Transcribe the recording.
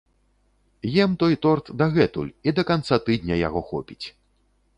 Ем той торт дагэтуль і да канца тыдня яго хопіць.